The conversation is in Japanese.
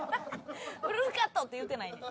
「ウルフカット！」って言うてないねん。